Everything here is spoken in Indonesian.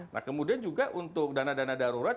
nah kemudian juga untuk dana dana darurat